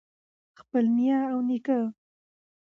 خپل نیا او نیکه